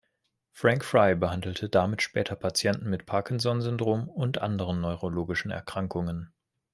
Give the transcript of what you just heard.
Frank Fry behandelte damit später Patienten mit Parkinsonsyndrom und anderen neurologischen Erkrankungen.